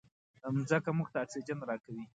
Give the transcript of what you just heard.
مځکه موږ ته اکسیجن راکوي.